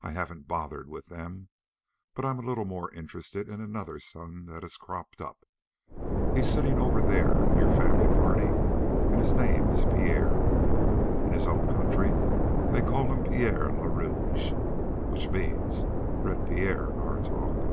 I haven't bothered with them, but I'm a little more interested in another son that has cropped up. He's sitting over there in your family party and his name is Pierre. In his own country they call him Pierre le Rouge, which means Red Pierre, in our talk.